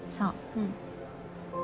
うん。